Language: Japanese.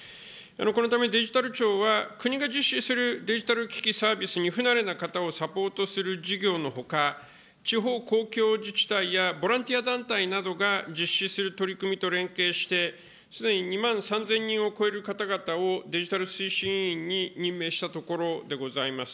このためデジタル庁は、国が実施するデジタル機器サービスに不慣れな方をサポートする事業のほか、地方公共自治体やボランティア団体などが実施する取り組みと連携して、すでに２万３０００人を超える方々を、デジタル推進委員に任命したところでございます。